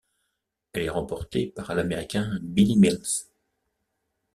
Elle est remportée par l'Américain Billy Mills.